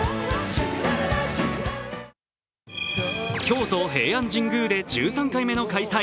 京都・平安神宮で１３回目の開催。